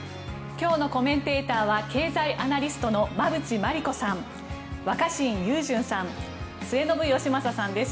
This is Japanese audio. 今日のコメンテーターは経済アナリストの馬渕磨理子さん若新雄純さん末延吉正さんです。